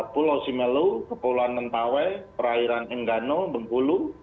pulau simelu kepulauan mentawai perairan enggano bengkulu